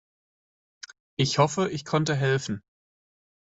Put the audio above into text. Ich hoffe, ich konnte helfen.